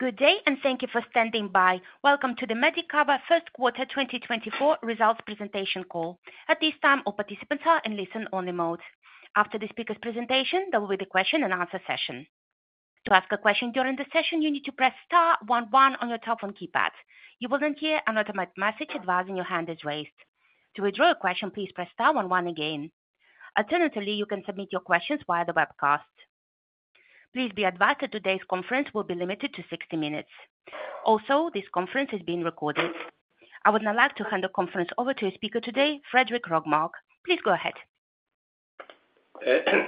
Good day and thank you for standing by. Welcome to the Medicover first quarter 2024 results presentation call. At this time, all participants are in listen-only mode. After the speaker's presentation, there will be a the question-and-answer session. To ask a question during the session, you need to press star one one on your telephone keypad. You will then hear an automated message advising your hand is raised. To withdraw your question, please press star one one again. Alternatively, you can submit your questions via the webcast. Please be advised that today's conference will be limited to 60 minutes. Also, this conference is being recorded. I would now like to hand the conference over to a speaker today, Fredrik Rågmark. Please go ahead.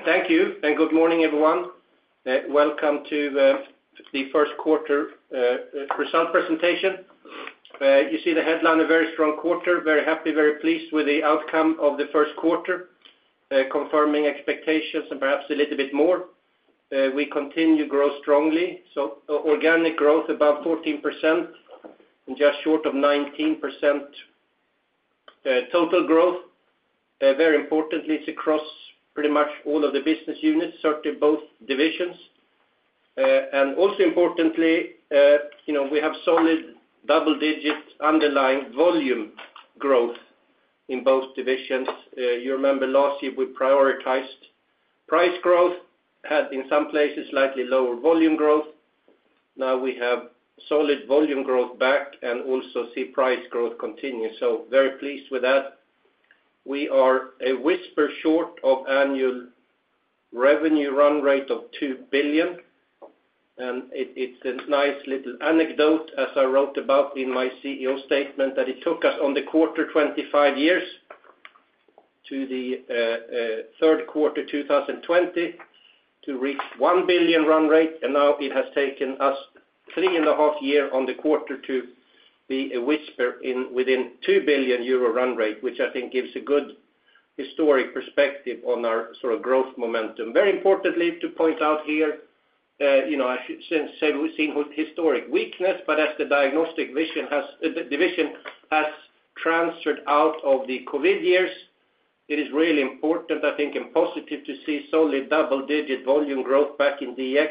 Thank you. And good morning, everyone. Welcome to the first quarter results presentation. You see the headline: "A very strong quarter. Very happy, very pleased with the outcome of the first quarter, confirming expectations and perhaps a little bit more." We continue to grow strongly, so organic growth above 14% and just short of 19% total growth. Very importantly, it's across pretty much all of the business units, certainly both divisions. And also importantly, we have solid double-digit underlying volume growth in both divisions. You remember last year we prioritized price growth, had in some places slightly lower volume growth. Now we have solid volume growth back and also see price growth continue. So very pleased with that. We are a whisper short of annual revenue run rate of 2 billion. It's a nice little anecdote, as I wrote about in my CEO statement, that it took us in the quarter 25 years to the third quarter 2020 to reach 1 billion run rate. Now it has taken us three and a half years in the quarter to be a whisker within 2 billion euro run rate, which I think gives a good historic perspective on our sort of growth momentum. Very importantly to point out here, since we've seen historic weakness, but as the diagnostic division has transferred out of the COVID years, it is really important, I think, and positive to see solid double-digit volume growth back in DX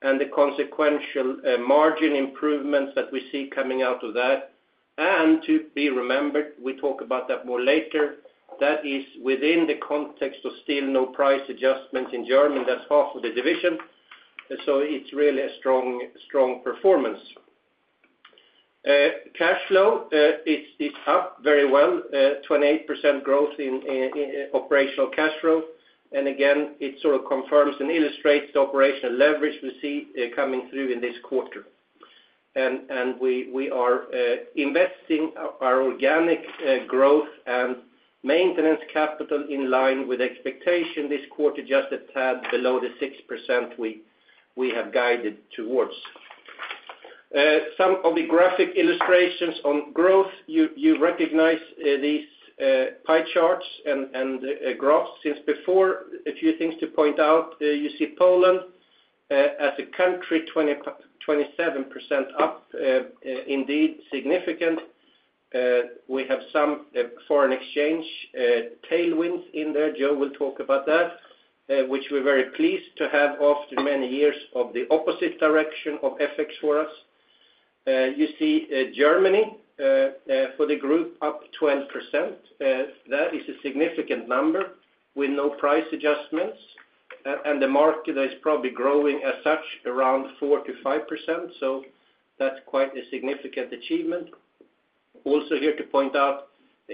and the consequential margin improvements that we see coming out of that. To be remembered, we talk about that more later, that is within the context of still no price adjustments in Germany. That's half of the division. So it's really a strong performance. Cash flow is up very well, 28% growth in operational cash flow. And again, it sort of confirms and illustrates the operational leverage we see coming through in this quarter. And we are investing our organic growth and maintenance capital in line with expectation this quarter, just a tad below the 6% we have guided towards. Some of the graphic illustrations on growth, you recognize these pie charts and graphs since before. A few things to point out. You see Poland as a country, 27% up. Indeed, significant. We have some foreign exchange tailwinds in there. Joe will talk about that, which we're very pleased to have after many years of the opposite direction of FX for us. You see Germany for the group, up 12%. That is a significant number with no price adjustments. The market is probably growing as such around 4%-5%. So that's quite a significant achievement. Also here to point out,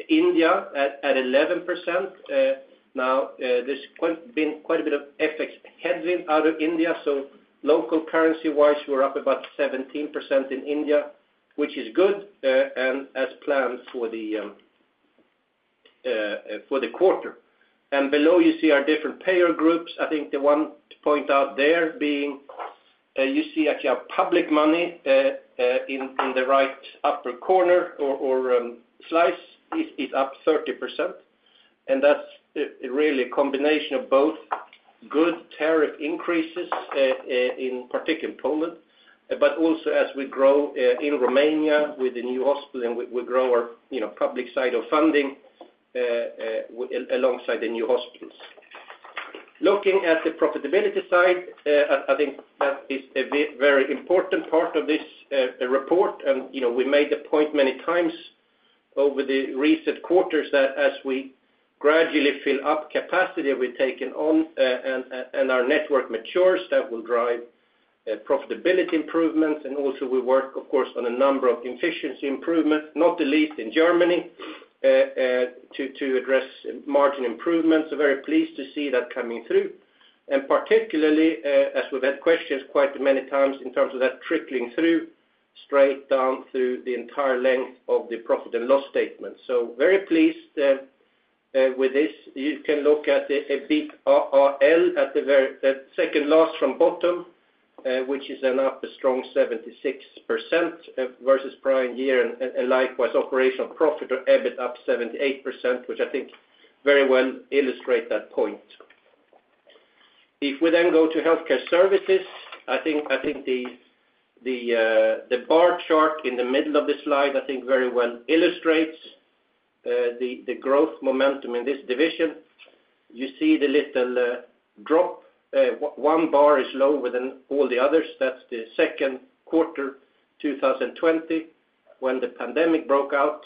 India at 11%. Now, there's been quite a bit of FX headwind out of India. So local currency-wise, we're up about 17% in India, which is good and as planned for the quarter. And below, you see our different payer groups. I think the one to point out there being you see actually our public money in the right upper corner or slice is up 30%. And that's really a combination of both good tariff increases, in particular in Poland, but also as we grow in Romania with the new hospital, and we grow our public side of funding alongside the new hospitals. Looking at the profitability side, I think that is a very important part of this report. We made the point many times over the recent quarters that as we gradually fill up capacity that we've taken on and our network matures, that will drive profitability improvements. Also, we work, of course, on a number of efficiency improvements, not the least in Germany, to address margin improvements. So very pleased to see that coming through. Particularly, as we've had questions quite many times in terms of that trickling through straight down through the entire length of the profit and loss statement. So very pleased with this. You can look at EBITAaL, the second last from bottom, which is up a strong 76% versus prior year and likewise operational profit or EBIT up 78%, which I think very well illustrates that point. If we then go to Healthcare Services, I think the bar chart in the middle of the slide, I think, very well illustrates the growth momentum in this division. You see the little drop. One bar is lower than all the others. That's the second quarter 2020 when the pandemic broke out.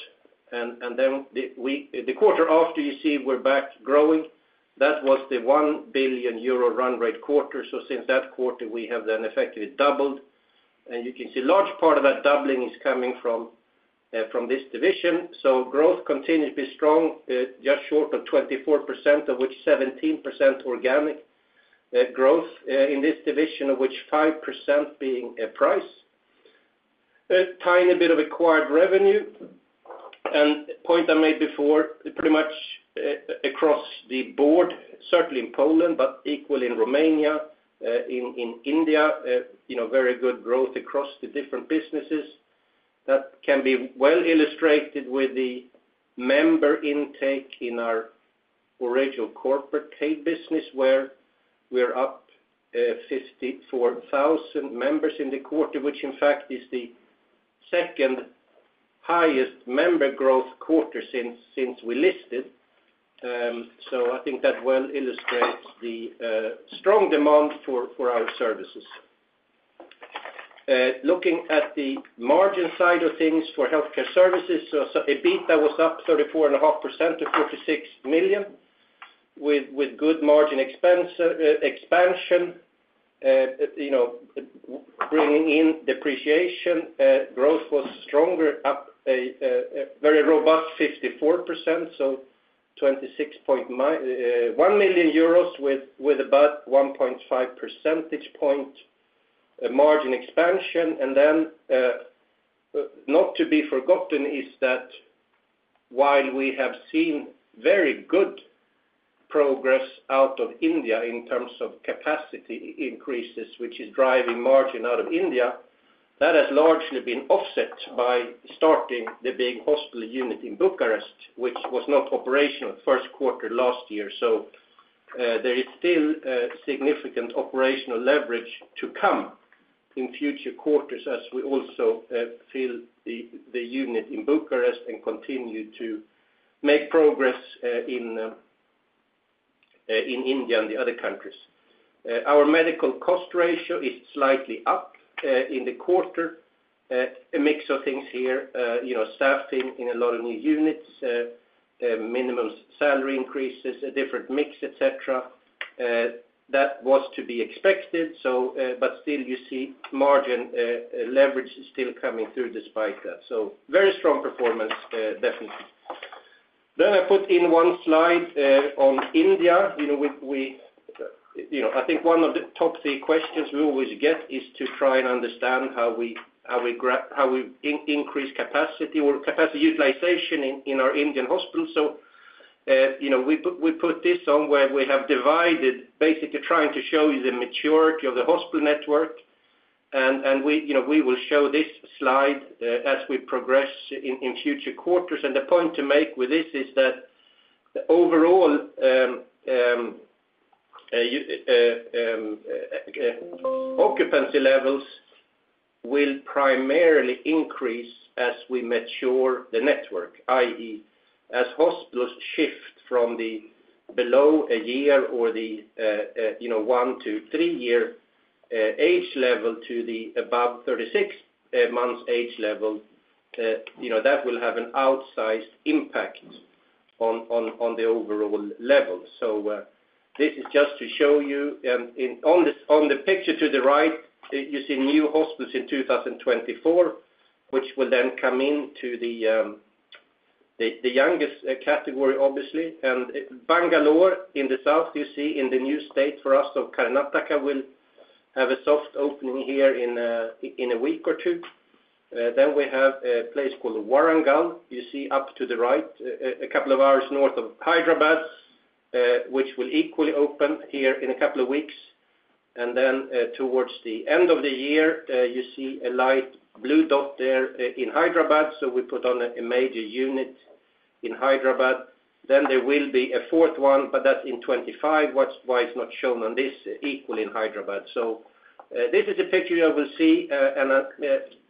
And then the quarter after, you see we're back growing. That was the 1 billion euro run rate quarter. So since that quarter, we have then effectively doubled. And you can see large part of that doubling is coming from this division. So growth continues to be strong, just short of 24%, of which 17% organic growth in this division, of which 5% being price. A tiny bit of acquired revenue. And point I made before, pretty much across the board, certainly in Poland, but equally in Romania, in India, very good growth across the different businesses. That can be well illustrated with the member intake in our original corporate paid business, where we're up 54,000 members in the quarter, which, in fact, is the second-highest member growth quarter since we listed. So I think that well illustrates the strong demand for our services. Looking at the margin side of things for healthcare services, so EBITDA was up 34.5% to 46 million with good margin expansion, bringing in depreciation. Growth was stronger, up a very robust 54%, so 26.1 million euros with about 1.5 percentage point margin expansion. And then not to be forgotten is that while we have seen very good progress out of India in terms of capacity increases, which is driving margin out of India, that has largely been offset by starting the big hospital unit in Bucharest, which was not operational first quarter last year. So there is still significant operational leverage to come in future quarters as we also fill the unit in Bucharest and continue to make progress in India and the other countries. Our medical cost ratio is slightly up in the quarter. A mix of things here: staffing in a lot of new units, minimum salary increases, a different mix, etc. That was to be expected. But still, you see margin leverage is still coming through despite that. So very strong performance, definitely. Then I put in one slide on India. I think one of the top three questions we always get is to try and understand how we increase capacity or capacity utilization in our Indian hospitals. So we put this on where we have divided, basically trying to show you the maturity of the hospital network. We will show this slide as we progress in future quarters. The point to make with this is that the overall occupancy levels will primarily increase as we mature the network, i.e., as hospitals shift from below one year or the one-three-year age level to the above 36 months age level. That will have an outsized impact on the overall level. This is just to show you. On the picture to the right, you see new hospitals in 2024, which will then come into the youngest category, obviously. Bangalore in the south, you see in the new state for us of Karnataka, will have a soft opening here in one week or two. Then we have a place called Warangal, you see up to the right, a couple of hours north of Hyderabad, which will equally open here in a couple of weeks. And then towards the end of the year, you see a light blue dot there in Hyderabad. So we put on a major unit in Hyderabad. Then there will be a fourth one, but that's in 2025, why it's not shown on this, equally in Hyderabad. So this is a picture you will see. And I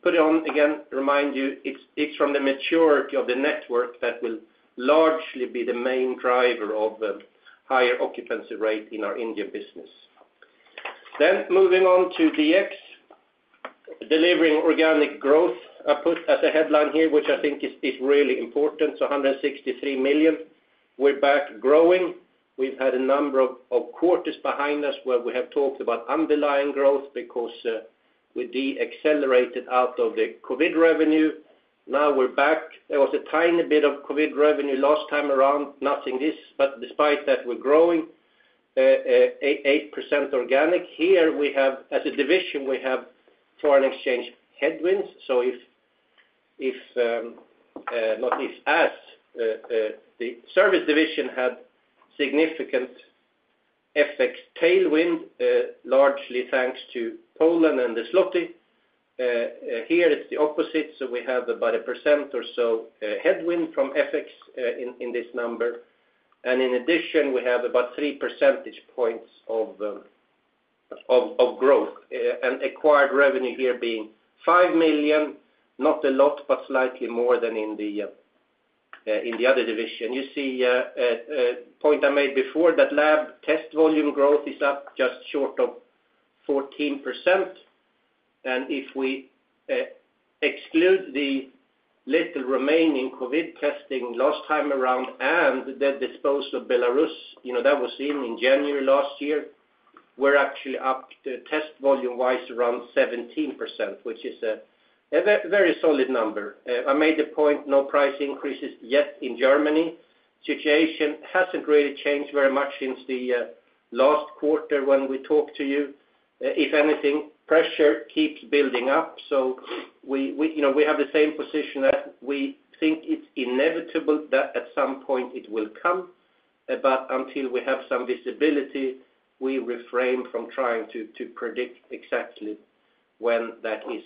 put it on again, remind you, it's from the maturity of the network that will largely be the main driver of higher occupancy rate in our Indian business. Then moving on to DX, delivering organic growth. I put as a headline here, which I think is really important, so 163 million. We're back growing. We've had a number of quarters behind us where we have talked about underlying growth because we de-accelerated out of the COVID revenue. Now we're back. There was a tiny bit of COVID revenue last time around, nothing this. But despite that, we're growing, 8% organic. Here, as a division, we have foreign exchange headwinds. So not if as the service division had significant FX tailwind, largely thanks to Poland and the zloty. Here, it's the opposite. So we have about 1% or so headwind from FX in this number. And in addition, we have about three percentage points of growth, and acquired revenue here being 5 million, not a lot, but slightly more than in the other division. You see a point I made before, that lab test volume growth is up just short of 14%. And if we exclude the little remaining COVID testing last time around and the disposal of Belarus, that was seen in January last year, we're actually up test volume-wise around 17%, which is a very solid number. I made the point, no price increases yet in Germany. Situation hasn't really changed very much since the last quarter when we talked to you. If anything, pressure keeps building up. So we have the same position that we think it's inevitable that at some point it will come. But until we have some visibility, we refrain from trying to predict exactly when that is.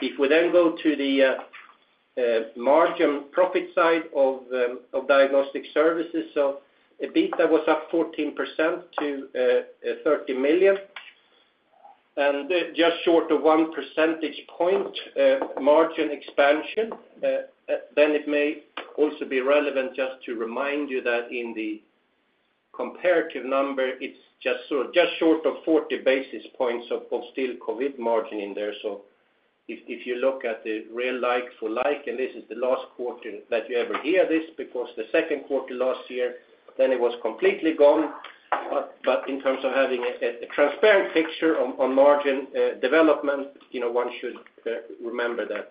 If we then go to the margin profit side of Diagnostic Services, so EBITDA was up 14% to 30 million, and just short of 1 percentage point margin expansion. Then it may also be relevant just to remind you that in the comparative number, it's just short of 40 basis points of still COVID margin in there. So if you look at the real like for like, and this is the last quarter that you ever hear this because the second quarter last year, then it was completely gone. But in terms of having a transparent picture on margin development, one should remember that.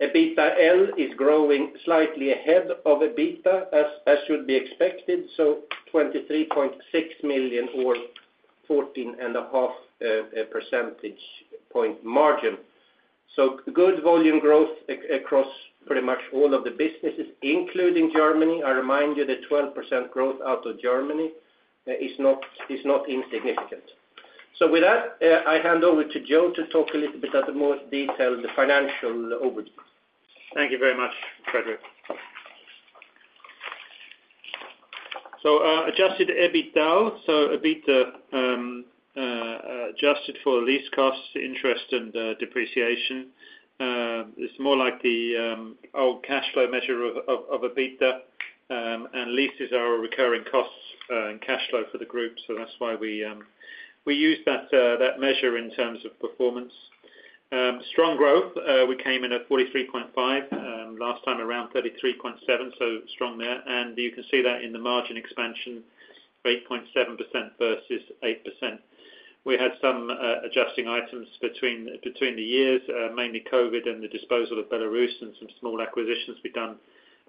EBITDAaL is growing slightly ahead of EBITDA as should be expected, so 23.6 million or 14.5 percentage point margin. So good volume growth across pretty much all of the businesses, including Germany. I remind you, the 12% growth out of Germany is not insignificant. So with that, I hand over to Joe to talk a little bit about the more detailed financial overview. Thank you very much, Fredrik. So adjusted EBITDAaL. So EBITDA adjusted for lease costs, interest, and depreciation. It's more like the old cash flow measure of EBITDA. And leases are our recurring costs and cash flow for the group. So that's why we use that measure in terms of performance. Strong growth. We came in at 43.5 million, last time around 33.7 million, so strong there. You can see that in the margin expansion, 8.7% versus 8%. We had some adjusting items between the years, mainly COVID and the disposal of Belarus and some small acquisitions we've done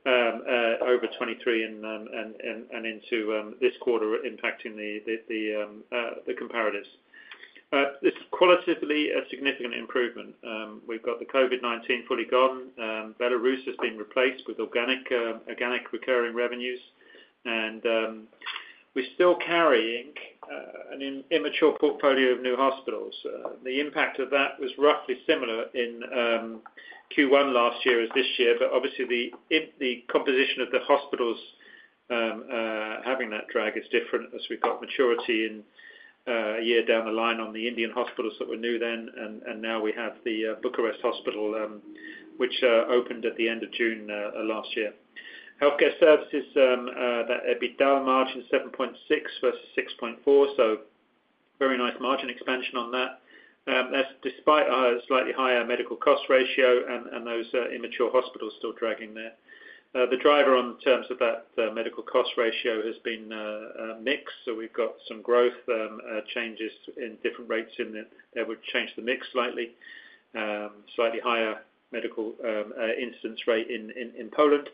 over 2023 and into this quarter, impacting the comparatives. It's qualitatively a significant improvement. We've got the COVID-19 fully gone. Belarus has been replaced with organic recurring revenues. And we're still carrying an immature portfolio of new hospitals. The impact of that was roughly similar in Q1 last year as this year. But obviously, the composition of the hospitals having that drag is different as we've got maturity in a year down the line on the Indian hospitals that were new then. And now we have the Bucharest hospital, which opened at the end of June last year. Healthcare services, that EBITDAaL margin is 7.6 versus 6.4, so very nice margin expansion on that, despite our slightly higher medical cost ratio and those immature hospitals still dragging there. The driver in terms of that medical cost ratio has been a mix. So we've got some growth changes in different rates in that would change the mix slightly, slightly higher medical incidence rate in Poland.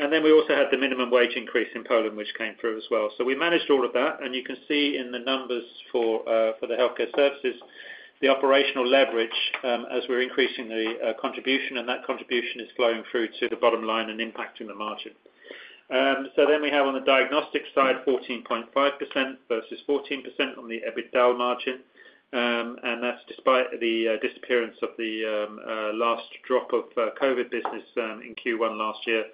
And then we also had the minimum wage increase in Poland, which came through as well. So we managed all of that. And you can see in the numbers for the healthcare services, the operational leverage as we're increasing the contribution. And that contribution is flowing through to the bottom line and impacting the margin. So then we have on the diagnostic side, 14.5% versus 14% on the EBITDAaL margin. That's despite the disappearance of the last drop of COVID business in Q1 last year.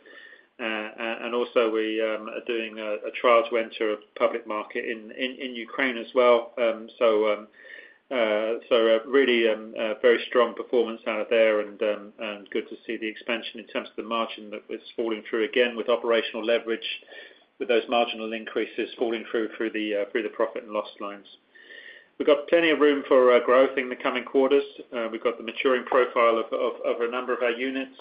And also, we are doing a trial to enter a public market in Ukraine as well. So really very strong performance out of there. And good to see the expansion in terms of the margin that was falling through again with operational leverage, with those marginal increases falling through the profit and loss lines. We've got plenty of room for growth in the coming quarters. We've got the maturing profile of a number of our units.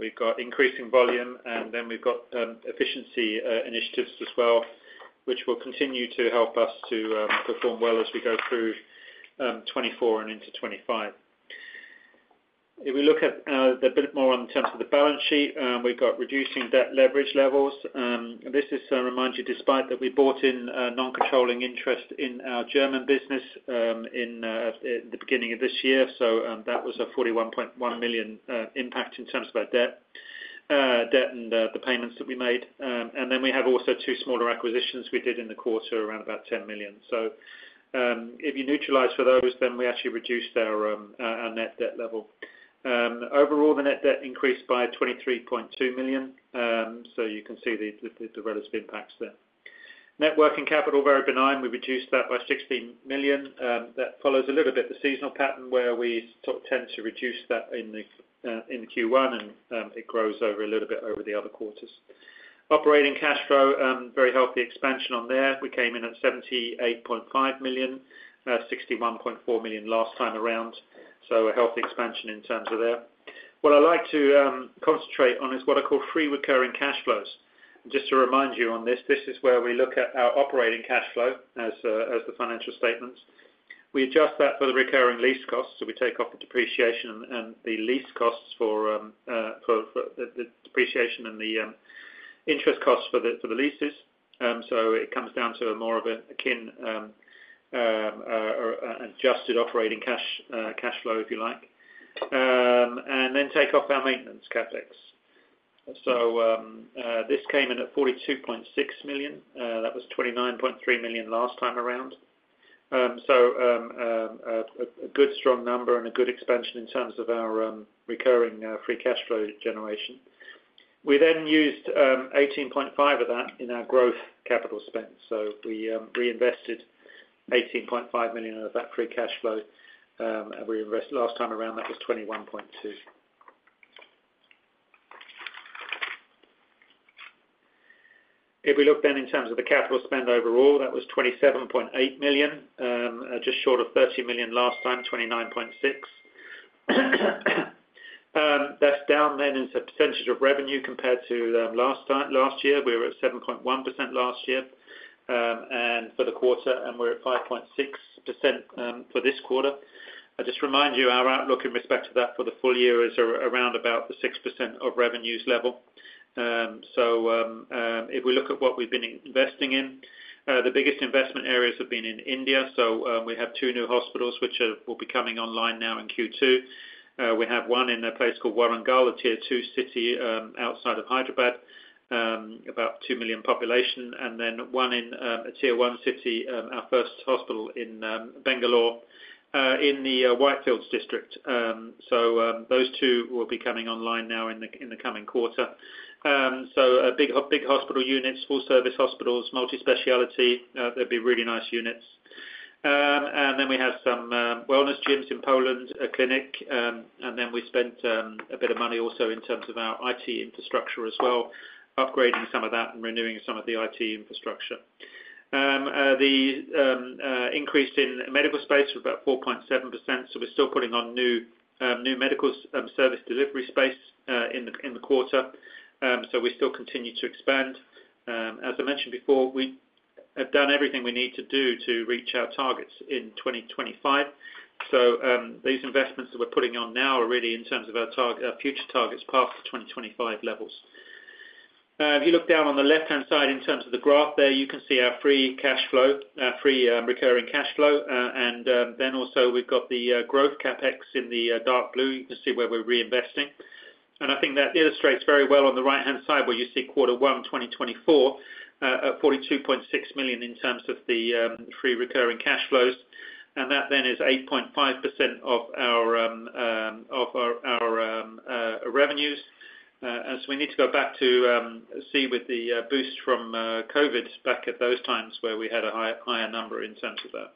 We've got increasing volume. And then we've got efficiency initiatives as well, which will continue to help us to perform well as we go through 2024 and into 2025. If we look at a bit more in terms of the balance sheet, we've got reducing debt leverage levels. This is, I remind you, despite that we bought in non-controlling interest in our German business in the beginning of this year. So that was a 41.1 million impact in terms of our debt and the payments that we made. And then we have also two smaller acquisitions we did in the quarter around about 10 million. So if you neutralize for those, then we actually reduced our net debt level. Overall, the net debt increased by 23.2 million. So you can see the relative impacts there. Working capital, very benign. We reduced that by 16 million. That follows a little bit the seasonal pattern where we tend to reduce that in Q1. And it grows over a little bit over the other quarters. Operating cash flow, very healthy expansion on there. We came in at 78.5 million, 61.4 million last time around. So a healthy expansion in terms of there. What I like to concentrate on is what I call free recurring cash flows. And just to remind you on this, this is where we look at our operating cash flow as the financial statements. We adjust that for the recurring lease costs. So we take off the depreciation and the lease costs for the depreciation and the interest costs for the leases. So it comes down to more of a kind adjusted operating cash flow, if you like, and then take off our maintenance CapEx. So this came in at 42.6 million. That was 29.3 million last time around. So a good, strong number and a good expansion in terms of our recurring free cash flow generation. We then used 18.5 million of that in our growth capital spend. So we reinvested 18.5 million out of that free cash flow. Last time around, that was 21.2 million. If we look then in terms of the capital spend overall, that was 27.8 million, just short of 30 million last time, 29.6 million. That's down then in percentage of revenue compared to last year. We were at 7.1% last year for the quarter. And we're at 5.6% for this quarter. I just remind you, our outlook in respect to that for the full year is around about the 6% of revenues level. So if we look at what we've been investing in, the biggest investment areas have been in India. So we have two new hospitals, which will be coming online now in Q2. We have one in a place called Warangal, a tier-two city outside of Hyderabad, about 2 million population, and then one in a tier-one city, our first hospital in Bangalore in the Whitefield district. So those two will be coming online now in the coming quarter. So big hospital units, full-service hospitals, multispecialty. They'll be really nice units. And then we have some wellness gyms in Poland, a clinic. And then we spent a bit of money also in terms of our IT infrastructure as well, upgrading some of that and renewing some of the IT infrastructure. The increase in medical space was about 4.7%. So we're still putting on new medical service delivery space in the quarter. So we still continue to expand. As I mentioned before, we have done everything we need to do to reach our targets in 2025. So these investments that we're putting on now are really in terms of our future targets past the 2025 levels. If you look down on the left-hand side in terms of the graph there, you can see our free cash flow, our free recurring cash flow. And then also, we've got the growth CapEx in the dark blue. You can see where we're reinvesting. And I think that illustrates very well on the right-hand side where you see quarter one 2024 at 42.6 million in terms of the free recurring cash flows. And that then is 8.5% of our revenues. And so we need to go back to see with the boost from COVID back at those times where we had a higher number in terms of that.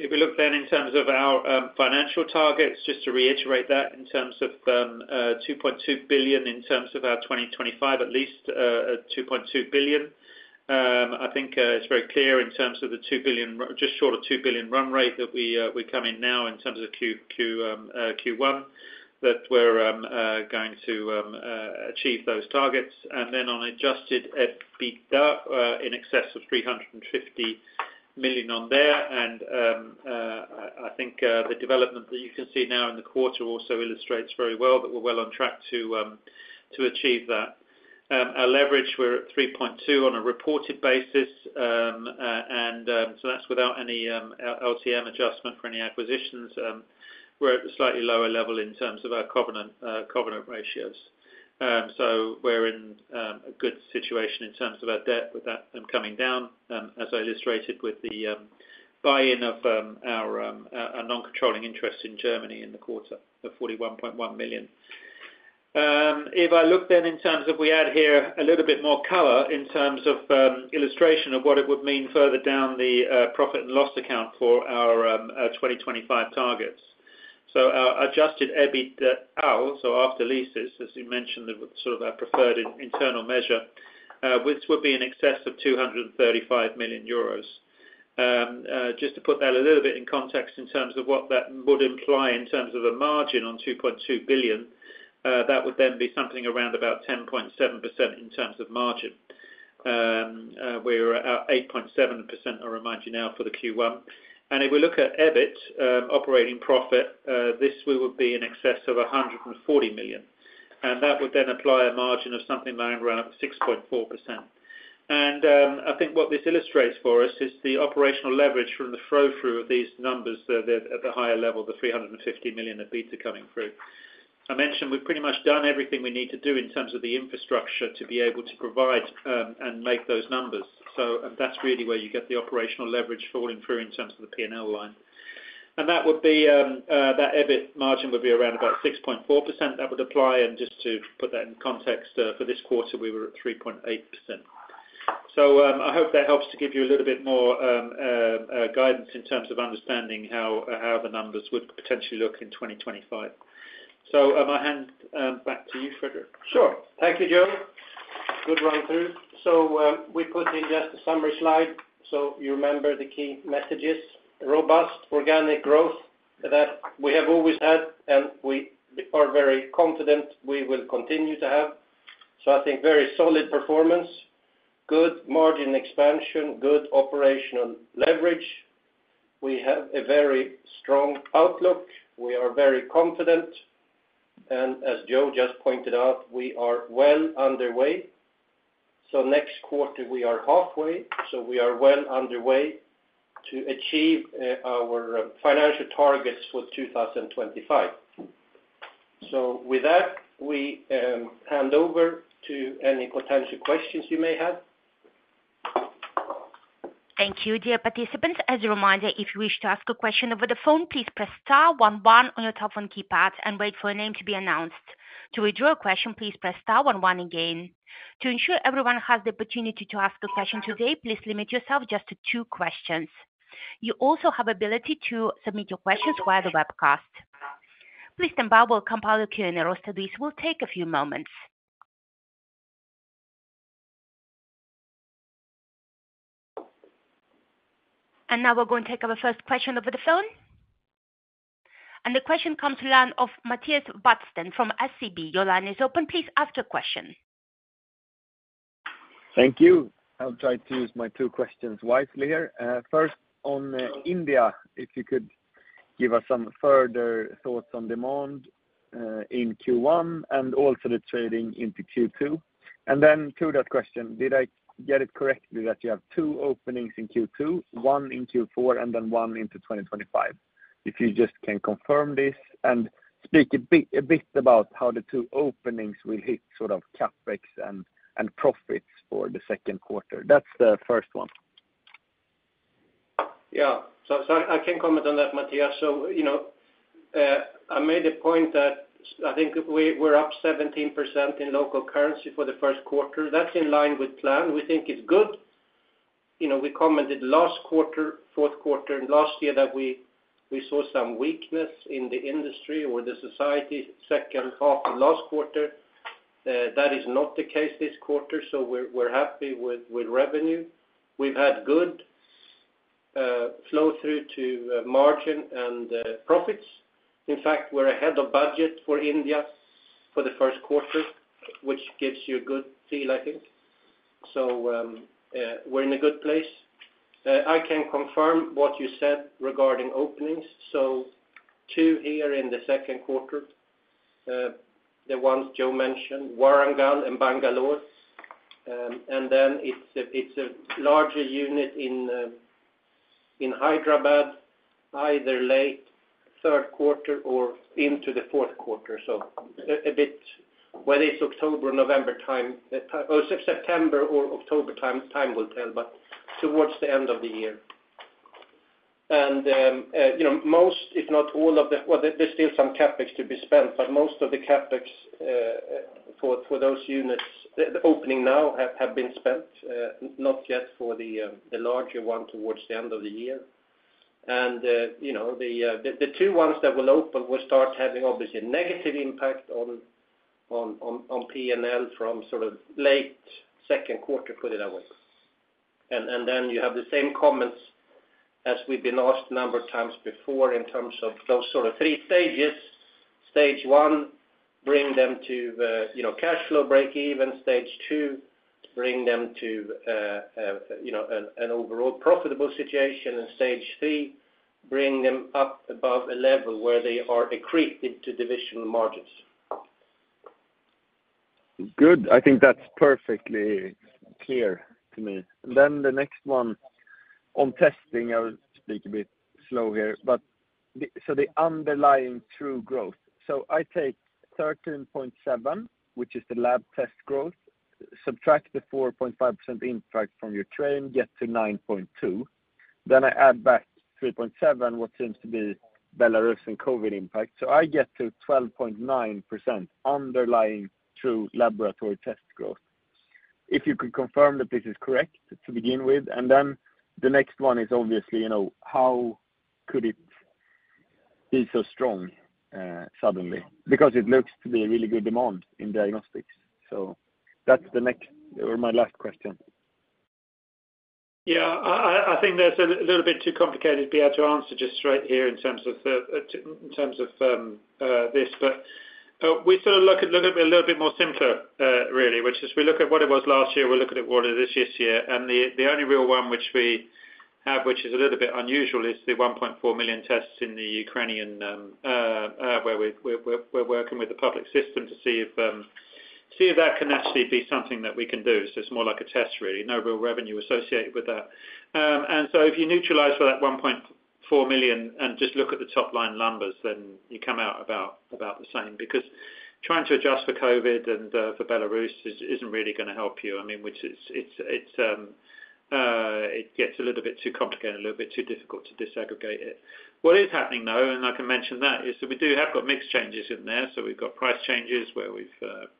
If we look then in terms of our financial targets, just to reiterate that in terms of 2.2 billion in terms of our 2025, at least 2.2 billion. I think it's very clear in terms of the 2 billion, just short of 2 billion run rate that we come in now in terms of Q1 that we're going to achieve those targets. And then on adjusted EBITDA in excess of 350 million on there. And I think the development that you can see now in the quarter also illustrates very well that we're well on track to achieve that. Our leverage, we're at 3.2 on a reported basis. And so that's without any LTM adjustment for any acquisitions. We're at a slightly lower level in terms of our covenant ratios. So we're in a good situation in terms of our debt with that coming down, as I illustrated, with the buy-in of our non-controlling interest in Germany in the quarter of 41.1 million. If I look then in terms of we add here a little bit more color in terms of illustration of what it would mean further down the profit and loss account for our 2025 targets. Our adjusted EBITDAaL, so after leases, as you mentioned, sort of our preferred internal measure, would be in excess of 235 million euros. Just to put that a little bit in context in terms of what that would imply in terms of a margin on 2.2 billion, that would then be something around about 10.7% in terms of margin. We're at 8.7%, I remind you now, for the Q1. If we look at EBIT, operating profit, this would be in excess of 140 million. That would then apply a margin of something around 6.4%. I think what this illustrates for us is the operational leverage from the flow-through of these numbers at the higher level, the 350 million EBITDA coming through. I mentioned we've pretty much done everything we need to do in terms of the infrastructure to be able to provide and make those numbers. That's really where you get the operational leverage falling through in terms of the P&L line. That would be that EBIT margin would be around about 6.4%. That would apply. Just to put that in context, for this quarter, we were at 3.8%. So I hope that helps to give you a little bit more guidance in terms of understanding how the numbers would potentially look in 2025. So I hand back to you, Fredrik. Sure. Thank you, Joe. Good run-through. So we put in just a summary slide. So, you remember the key messages: robust organic growth that we have always had. And we are very confident we will continue to have. So, I think very solid performance, good margin expansion, good operational leverage. We have a very strong outlook. We are very confident. And as Joe just pointed out, we are well underway. So next quarter, we are halfway. So we are well underway to achieve our financial targets for 2025. So with that, we hand over to any potential questions you may have. Thank you, dear participants. As a reminder, if you wish to ask a question over the phone, please press star one one on your telephone keypad and wait for a name to be announced. To withdraw a question, please press star one one again. To ensure everyone has the opportunity to ask a question today, please limit yourself just to two questions. You also have the ability to submit your questions via the webcast. Please stand by. We'll compile your Q&A. Rest of this will take a few moments. And now we're going to take our first question over the phone. And the question comes to the line of Mattias Vadsten from SEB. Your line is open. Please ask your question. Thank you. I'll try to use my two questions wisely here. First, on India, if you could give us some further thoughts on demand in Q1 and also the trading into Q2. And then to that question, did I get it correctly that you have two openings in Q2, one in Q4, and then one into 2025? If you just can confirm this and speak a bit about how the two openings will hit sort of CapEx and profits for the second quarter. That's the first one Yeah. So I can comment on that, Mattias. So I made a point that I think we're up 17% in local currency for the first quarter. That's in line with plan. We think it's good. We commented last quarter, fourth quarter, and last year that we saw some weakness in the industry or the society second half of last quarter. That is not the case this quarter. So we're happy with revenue. We've had good flow-through to margin and profits. In fact, we're ahead of budget for India for the first quarter, which gives you a good feel, I think. So we're in a good place. I can confirm what you said regarding openings. So two here in the second quarter, the ones Joe mentioned, Warangal and Bangalore. And then it's a larger unit in Hyderabad, either late third quarter or into the fourth quarter. So, a bit whether it's October or November time. Oh, September or October time will tell, but towards the end of the year. And most, if not all of the, well, there's still some CapEx to be spent. But most of the CapEx for those units, the opening now, have been spent, not yet for the larger one towards the end of the year. And the two ones that will open will start having, obviously, a negative impact on P&L from sort of late second quarter, put it that way. And then you have the same comments as we've been asked a number of times before in terms of those sort of three stages. Stage one, bring them to cash flow break-even. Stage two, bring them to an overall profitable situation. And stage three, bring them up above a level where they are accretive to divisional margins. Good. I think that's perfectly clear to me. And then the next one on testing, I will speak a bit slow here. So the underlying true growth. So I take 13.7%, which is the lab test growth, subtract the 4.5% impact from your Ukraine, get to 9.2%. Then I add back 3.7, what seems to be Belarusian COVID impact. So I get to 12.9% underlying true laboratory test growth, if you could confirm that this is correct to begin with. And then the next one is, obviously, how could it be so strong suddenly because it looks to be a really good demand in diagnostics. So that's the next or my last question. Yeah. I think that's a little bit too complicated to be able to answer just straight here in terms of this. But we sort of look at it a little bit more simpler, really, which is we look at what it was last year. We look at it what it is this year. And the only real one which we have, which is a little bit unusual, is the 1.4 million tests in Ukraine where we're working with the public system to see if that can actually be something that we can do. So it's more like a test, really, no real revenue associated with that. And so if you neutralize for that 1.4 million and just look at the top-line numbers, then you come out about the same because trying to adjust for COVID and for Belarus isn't really going to help you, I mean, which it gets a little bit too complicated, a little bit too difficult to disaggregate it. What is happening, though, and I can mention that, is that we do have got mixed changes in there. So we've got price changes where we've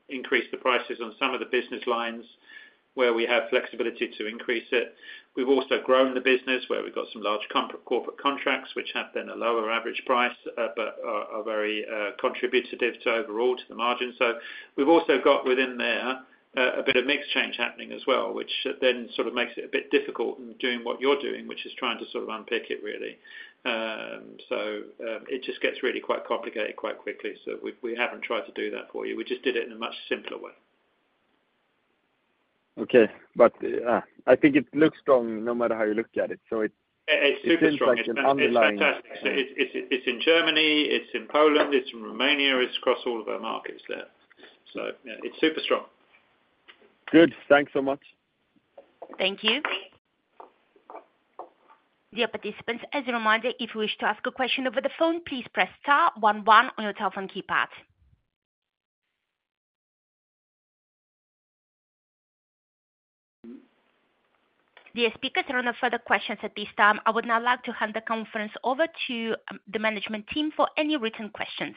increased the prices on some of the business lines where we have flexibility to increase it. We've also grown the business where we've got some large corporate contracts, which have then a lower average price but are very contributory overall to the margin. So we've also got within there a bit of mixed change happening as well, which then sort of makes it a bit difficult in doing what you're doing, which is trying to sort of unpick it, really. So it just gets really quite complicated quite quickly. So we haven't tried to do that for you. We just did it in a much simpler way. Okay. But I think it looks strong no matter how you look at it. So it seems like an underlying. It's super strong. It's fantastic. So it's in Germany. It's in Poland. It's in Romania. It's across all of our markets there. So yeah, it's super strong. Good. Thanks so much. Thank you. Dear participants, as a reminder, if you wish to ask a question over the phone, please press star 11 on your telephone keypad. Dear speakers, there are no further questions at this time. I would now like to hand the conference over to the management team for any written questions.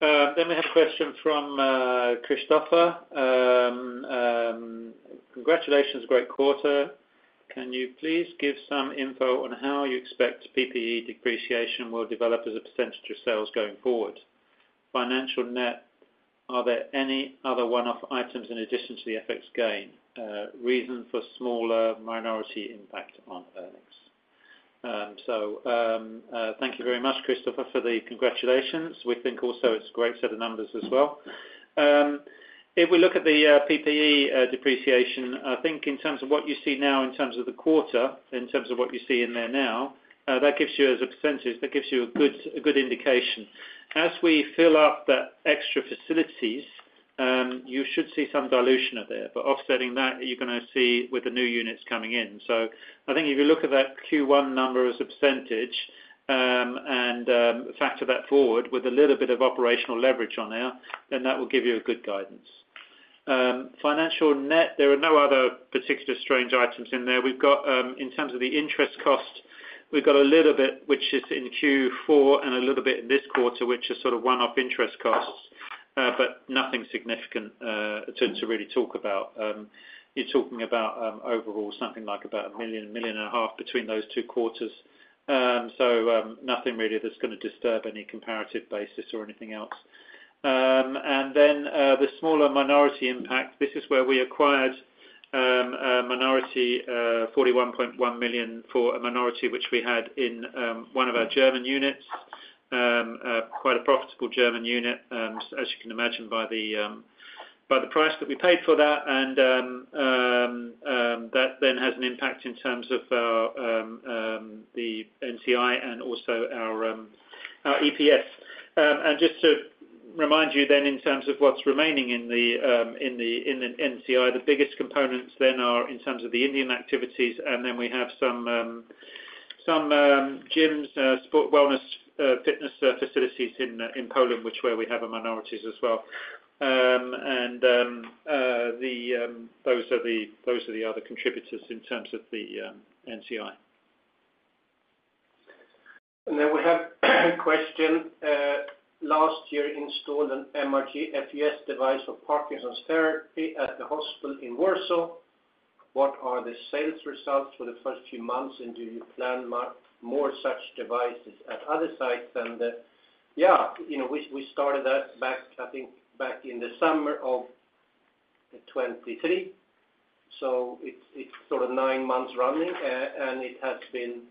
Then we have a question from Christopher. Congratulations. Great quarter. Can you please give some info on how you expect PPE depreciation will develop as a percentage of sales going forward? Financial net, are there any other one-off items in addition to the FX gain? Reason for smaller minority impact on earnings. So thank you very much, Christopher, for the congratulations. We think also it's a great set of numbers as well. If we look at the PPE depreciation, I think in terms of what you see now in terms of the quarter, in terms of what you see in there now, that gives you as a percentage, that gives you a good indication. As we fill up that extra facilities, you should see some dilution of there. But offsetting that, you're going to see with the new units coming in. So I think if you look at that Q1 number as a percentage and factor that forward with a little bit of operational leverage on there, then that will give you a good guidance. Financial net, there are no other particular strange items in there. In terms of the interest cost, we've got a little bit, which is in Q4, and a little bit in this quarter, which are sort of one-off interest costs but nothing significant to really talk about. You're talking about overall something like 1 million, 1.5 million between those two quarters. So nothing really that's going to disturb any comparative basis or anything else. And then the smaller minority impact, this is where we acquired a minority, 41.1 million for a minority, which we had in one of our German units, quite a profitable German unit, as you can imagine by the price that we paid for that. And that then has an impact in terms of the NCI and also our EPS. And just to remind you then in terms of what's remaining in the NCI, the biggest components then are in terms of the Indian activities. And then we have some gyms, wellness, fitness facilities in Poland, which is where we have our minorities as well. And those are the other contributors in terms of the NCI. And then we have a question. Last year, installed an MRgFUS device for Parkinson's therapy at the hospital in Warsaw. What are the sales results for the first few months? And do you plan more such devices at other sites than the yeah. We started that, I think, back in the summer of 2023. So it's sort of 9 months running. And it has been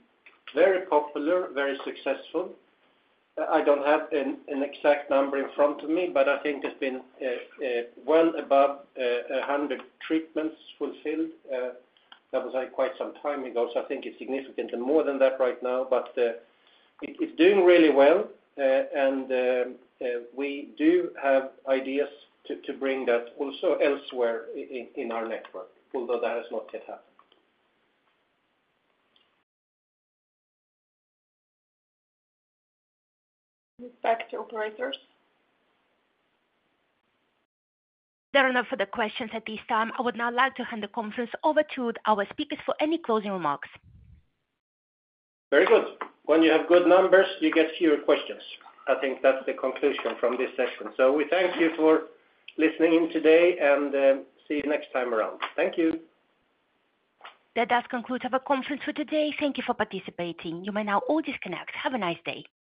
very popular, very successful. I don't have an exact number in front of me, but I think it's been well above 100 treatments fulfilled. That was quite some time ago. So I think it's significantly more than that right now. But it's doing really well. And we do have ideas to bring that also elsewhere in our network, although that has not yet happened. Respect to operators. There are no further questions at this time. I would now like to hand the conference over to our speakers for any closing remarks. Very good. When you have good numbers, you get fewer questions. I think that's the conclusion from this session. So we thank you for listening in today. And see you next time around. Thank you. That does conclude our conference for today. Thank you for participating. You may now all disconnect. Have a nice day.